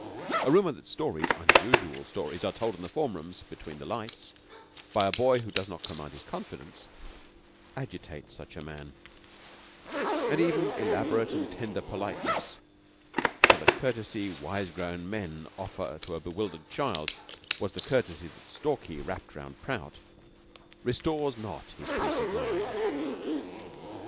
A rumor that stories unusual stories are told in the form rooms, between the lights, by a boy who does not command his confidence, agitates such a man; and even elaborate and tender politeness for the courtesy wise grown men offer to a bewildered child was the courtesy that Stalky wrapped round Prout restores not his peace of mind.